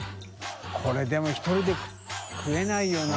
海でも１人で食えないよな。